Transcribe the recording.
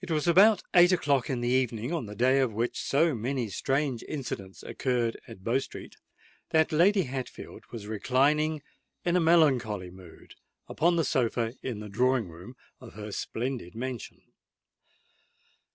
It was about eight o'clock in the evening of the day on which so many strange incidents occurred at Bow Street, that Lady Hatfield was reclining in a melancholy mood upon the sofa in the drawing room of her splendid mansion.